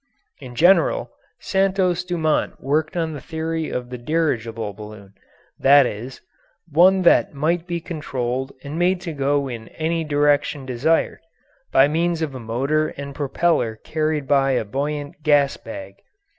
In general, Santos Dumont worked on the theory of the dirigible balloon that is, one that might be controlled and made to go in any direction desired, by means of a motor and propeller carried by a buoyant gas bag.